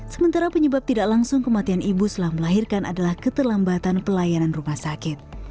sementara penyebab tidak langsung kematian ibu setelah melahirkan adalah keterlambatan pelayanan rumah sakit